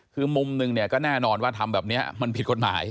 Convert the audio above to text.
คือมุมหนึ่งเนี่ยก็แน่นอนว่าทำแบบนี้มันผิดกฎหมาย